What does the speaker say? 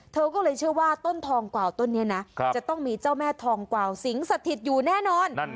เธอก็เลยเชื่อว่าต้นทองกวาวต้นนี้นะจะต้องมีเจ้าแม่ทองกวาวสิงสถิตอยู่แน่นอน